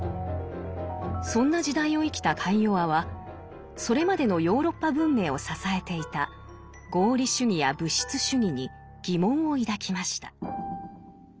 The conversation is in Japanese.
そんな時代を生きたカイヨワはそれまでのヨーロッパ文明を支えていた合理主義や物質主義に疑問を抱きました。